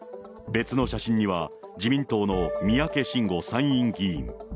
別の写真には、自民党の三宅伸吾参院議員。